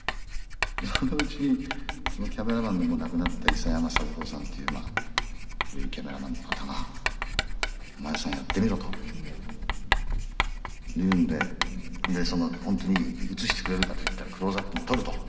そのうちにそのキャメラマンのもう亡くなった伊佐山三郎さんっていう古いキャメラマンの方が“お前さんやってみろ”と言うので“本当に映してくれるか？”と言ったら“クローズアップも撮る”と。